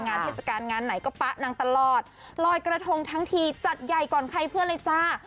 เทศกาลงานไหนก็ป๊ะนางตลอดลอยกระทงทั้งทีจัดใหญ่ก่อนใครเพื่อนเลยจ้า